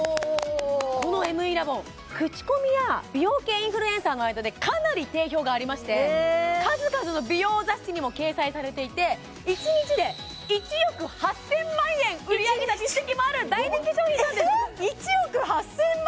このＭＥラボン口コミや美容系インフルエンサーの間でかなり定評がありまして数々の美容雑誌にも掲載されていて１日で１億８０００万円売り上げた実績もある大人気商品なんですえっ１億８０００万？